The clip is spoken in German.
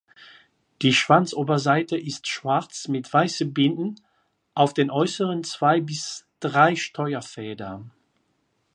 Die Schwanzoberseite ist schwarz mit weiße Binden auf den äußeren zwei bis drei Steuerfedern.